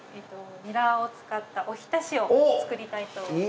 ニラを使ったお浸しを作りたいと思います。